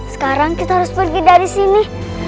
sekarang kita harus pergi dari sini